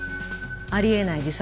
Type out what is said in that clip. あり得ない自殺？